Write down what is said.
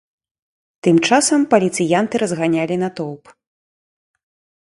Тым часам паліцыянты разганялі натоўп.